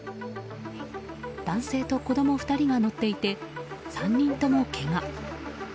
男性と子供２人が乗っていて３人ともけが。